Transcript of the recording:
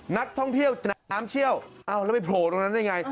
นักท่องเที่ยวน้ำเชี่ยวเอาแล้วไปโผล่ตรงนั้นได้ไง